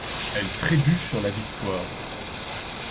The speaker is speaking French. Elle trébuche sur la victoire...